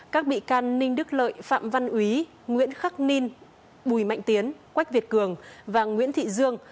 các bị can ninh đức lợi phạm văn úy nguyễn khắc ninh bùi mạnh tiến quách việt cường và nguyễn thị dương